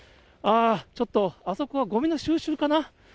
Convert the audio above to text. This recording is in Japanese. あぁ、ちょっと、あそこはごみの収集かな。